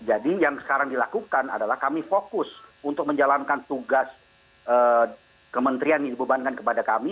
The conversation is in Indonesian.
jadi yang sekarang dilakukan adalah kami fokus untuk menjalankan tugas kementerian yang dibebankan kepada kami